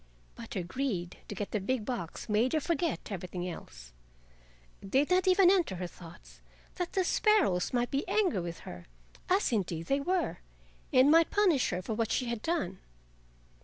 But her greed to get the big box made her forget everything else. It did not even enter her thoughts that the sparrows might be angry with her—as, indeed, they were—and might punish her for what she had done.